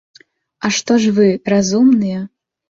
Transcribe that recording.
А што ж вы, разумныя?